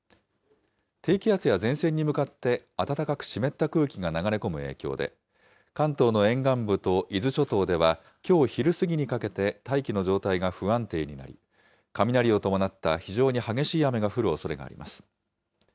低気圧や前線に向かって暖かく湿った空気が流れ込む影響で、関東の沿岸部と伊豆諸島ではきょう昼過ぎにかけて大気の状態が不安定になり、雷を伴った非常に激しい雨が降るおそれがあります。